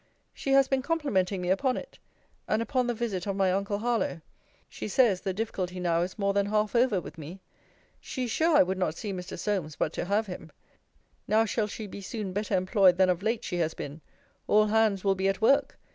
She has been complimenting me upon it; and upon the visit of my uncle Harlowe. She says, the difficulty now is more than half over with me. She is sure I would not see Mr. Solmes, but to have him. Now shall she be soon better employed than of late she has been. All hands will be at work.